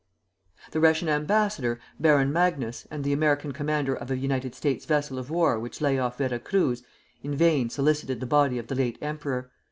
The Russian ambassador, Baron Magnus, and the American commander of a United States vessel of war which layoff Vera Cruz, in vain solicited the body of the late emperor.